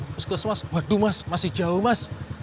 puskesmas waduh mas masih jauh mas